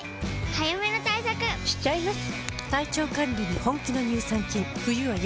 早めの対策しちゃいます。